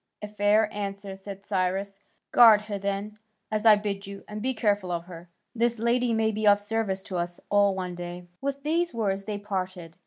"A fair answer," said Cyrus. "Guard her then, as I bid you, and be careful of her. This lady may be of service to us all one day." With these words they parted.